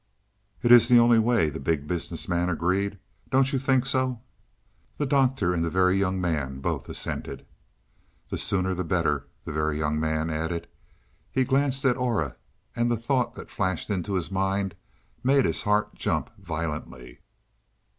"It's the only way," the Big Business Man agreed. "Don't you think so?" The Doctor and the Very Young Man both assented. "The sooner the better," the Very Young Man added. He glanced at Aura, and the thought that flashed into his mind made his heart jump violently.